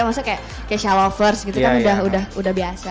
maksudnya kayak keysha lovers gitu kan udah biasa